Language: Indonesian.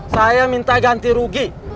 saya minta ganti rugi buat perbanan saya